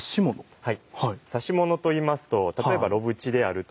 はい。